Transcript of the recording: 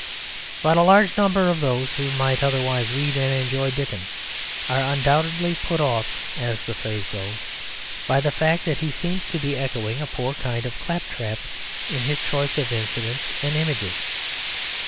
But a large number of those who might otherwise read and enjoy Dickens are undoubtedly "put off" (as the phrase goes) by the fact that he seems to be echoing a poor kind of claptrap in his choice of incidents and images.